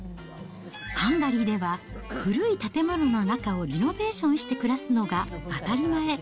ハンガリーでは古い建物の中をリノベーションして暮らすのが当たり前。